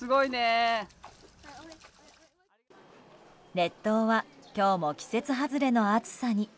列島は今日も季節外れの暑さに。